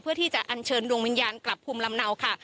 เพื่อที่จะอัญเชิญดวงวิญญาณกลับภูมิลำเนาค่ะ